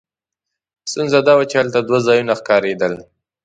ستونزه دا وه چې هلته دوه ځایونه ښکارېدل.